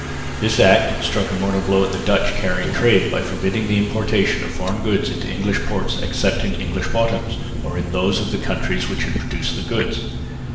This Act struck a mortal blow at the Dutch carrying trade by forbidding the importation of foreign goods into English ports except in English bottoms, or in those of the countries which had produced the goods.